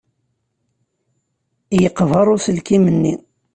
Yeqber uselkim-nni.